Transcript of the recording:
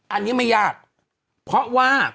อันนี้ไม่ยากเพราะว่า